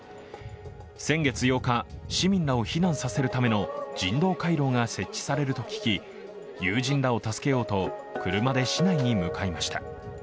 先月８日、市民らを避難させるための人道回廊が設置されると聞き友人らを助けようと車で市内に向かいました。